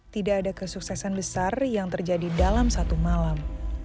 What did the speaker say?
tidak ada kesuksesan besar yang terjadi dalam satu malam